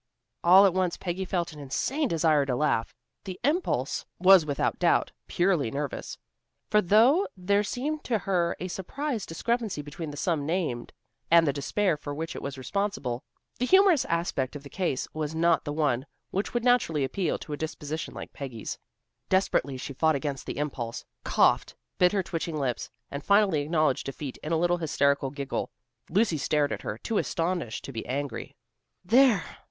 All at once Peggy felt an insane desire to laugh. The impulse was without doubt, purely nervous. For though there seemed to her a surprising discrepancy between the sum named and the despair for which it was responsible, the humorous aspect of the case was not the one which would naturally appeal to a disposition like Peggy's. Desperately she fought against the impulse, coughed, bit her twitching lips, and finally acknowledged defeat in a little hysterical giggle. Lucy stared at her, too astonished to be angry. "There!"